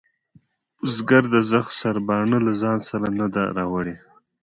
بزگر د زخ سرباڼه له ځانه سره نه ده راوړې.